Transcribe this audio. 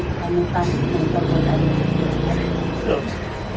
hai kamu kak jadi kamu tanggung jawab